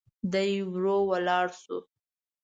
دی ورو ولاړ شو.